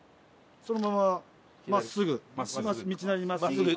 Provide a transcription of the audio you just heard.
そのまま真っすぐ道なりに真っすぐ。